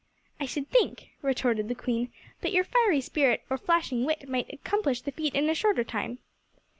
"I should think," retorted the Queen, "that your fiery spirit or flashing wit might accomplish the feat in a shorter time."